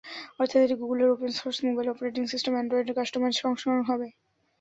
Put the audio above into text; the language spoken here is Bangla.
অর্থাৎ, এটি গুগলের open source mobile operating system অ্যান্ড্রয়েডের কাস্টোমাইজ সংস্করণ হবে।